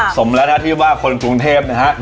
สมแล้วนะที่ว่าคนคุณเทพอืม